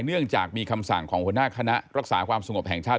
เนื่องจากมีคำสั่งของหัวหน้าคณะรักษาความสงบแห่งชาติ